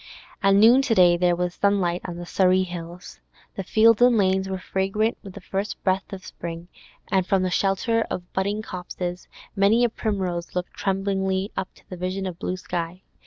At noon to day there was sunlight on the Surrey hills; the fields and lanes were fragrant with the first breath of spring, and from the shelter of budding copses many a primrose looked tremblingly up to the vision of blue sky.